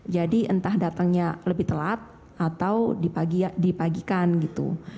jadi entah datangnya lebih telat atau dipagikan gitu